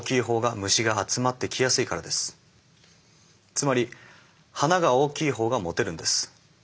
つまり花が大きい方がモテるんです。